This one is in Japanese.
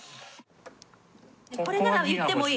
これならいってもいい。